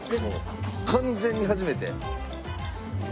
完全に初めて。